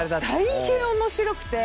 大変面白くて。